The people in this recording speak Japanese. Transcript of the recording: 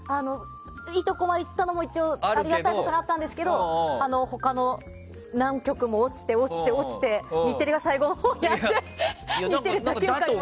いいところまではいったのもありがたいことにあったんですけど他の何局も落ちて、落ちて日テレが最後のほうにあって日テレだけ受かりました。